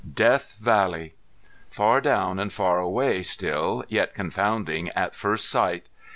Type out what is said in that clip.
Death Valley! Far down and far away still, yet confounding at first sight!